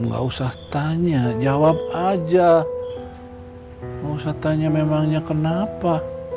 gak usah tanya jawab aja nggak usah tanya memangnya kenapa